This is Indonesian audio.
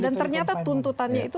dan ternyata tuntutannya itu